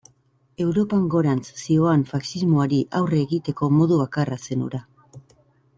Europan gorantz zihoan faxismoari aurre egiteko modu bakarra zen hura.